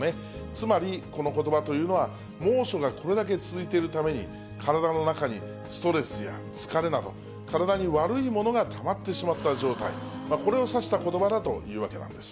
つまりこのことばというのは、猛暑がこれだけ続いているために、体の中にストレスや疲れなど、体に悪いものがたまってしまった状態、これを指したことばだというわけなんです。